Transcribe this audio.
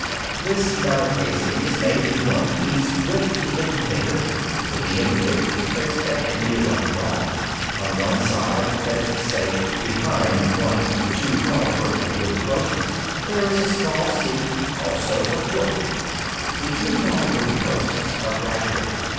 This metal casing is made in one piece with the indicator, to the end of which is fixed an india rubber ball. On one side, that is to say, behind one of the two tall vertical wooden posts, there is a small seat, also of wood. The two tall wooden posts are graduated.